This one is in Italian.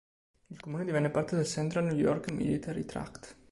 Il comune divenne parte del Central New York Military Tract.